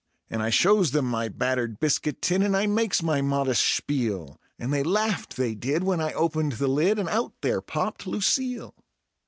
And I shows them my battered biscuit tin, and I makes my modest spiel, And they laughed, they did, when I opened the lid, and out there popped Lucille.